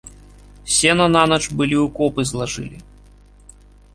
Сена нанач былі ў копы злажылі.